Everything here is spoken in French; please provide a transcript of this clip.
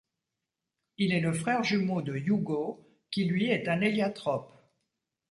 Il est le frère jumeau de Yugo, qui lui est un Eliatrope.